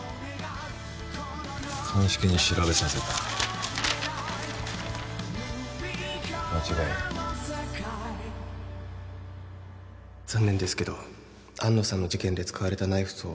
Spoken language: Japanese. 鑑識に調べさせた間違いない残念ですけど安野さんの事件で使われたナイフと